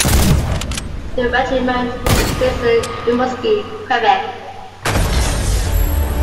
The regiment is based in Rimouski, Quebec.